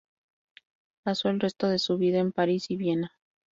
Pasó el resto de su vida en París y Viena.